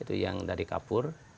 itu yang dari kapur